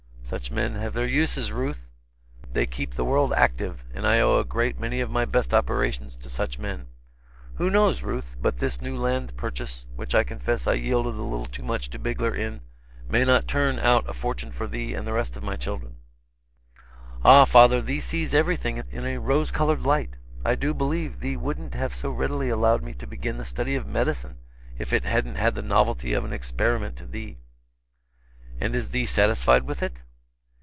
"Such men have their uses, Ruth. They keep the world active, and I owe a great many of my best operations to such men. Who knows, Ruth, but this new land purchase, which I confess I yielded a little too much to Bigler in, may not turn out a fortune for thee and the rest of the children?" "Ah, father, thee sees every thing in a rose colored light. I do believe thee wouldn't have so readily allowed me to begin the study of medicine, if it hadn't had the novelty of an experiment to thee." "And is thee satisfied with it?"